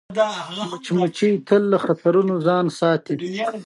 مچمچۍ تل له خطرونو ځان ساتي